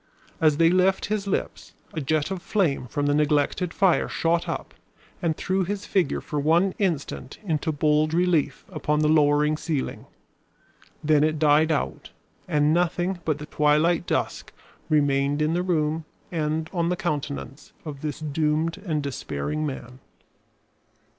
As they left his lips a jet of flame from the neglected fire shot up and threw his figure for one instant into bold relief upon the lowering ceiling; then it died out, and nothing but the twilight dusk remained in the room and on the countenance of this doomed and despairing man.